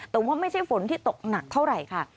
แต่ว่าไม่ใช่ฝนที่ตกหนักเท่าไหร่ค่ะ